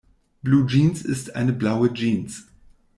Bluejeans ist eine blaue Jeans.